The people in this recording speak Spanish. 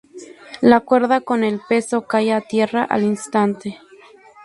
La cuerda con el peso cae a tierra al instante.